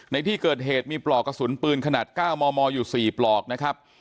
ในที่เกิดเหตุมีปลอกกระสุนปืนขนาด๙มมอยู่๔ปลอกนะครับ